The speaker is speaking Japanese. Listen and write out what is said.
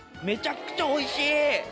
めちゃくちゃおいしい。